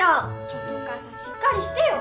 ちょっとお母さんしっかりしてよ！